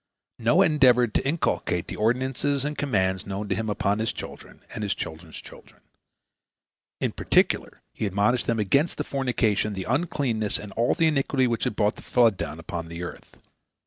Noah endeavored to inculcate the ordinances and the commands known to him upon his children and his children's children. In particular he admonished them against the fornication, the uncleanness, and all the iniquity which had brought the flood down upon the earth.